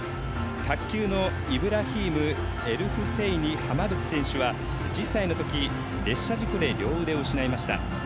卓球のイブラヒームエルフセイニ・ハマドトゥ選手は１０歳のとき列車事故で両腕を失いました。